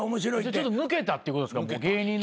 ちょっと抜けたってことですか？